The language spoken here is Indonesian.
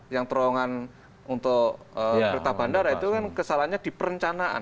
yang terowongan untuk kereta bandara itu kan kesalahannya di perencanaan